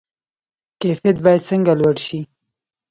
کیفیت باید څنګه لوړ شي؟